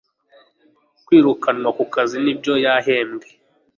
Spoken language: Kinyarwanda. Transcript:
kwirukanwa ku kazi nibyo yahembwe